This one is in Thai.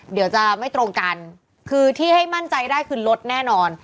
เดี๋ยวจะไม่ตรงกันคือที่ให้มั่นใจได้คือลดแน่นอน